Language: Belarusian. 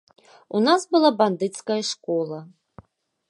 У нас была бандыцкая школа.